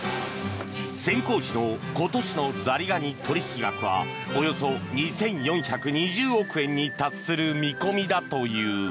潜江市の今年のザリガニ取引額はおよそ２４２０億円に達する見込みだという。